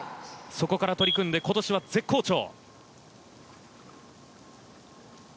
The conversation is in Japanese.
そこから取り組んで今年は絶好調。